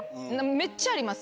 めっちゃあります。